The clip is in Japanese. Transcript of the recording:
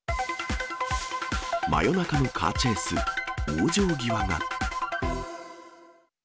真夜中のカーチェイス、往生際が。